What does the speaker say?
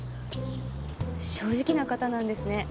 正直な方なんですね。